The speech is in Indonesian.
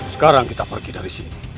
sekarang kita pergi dari sini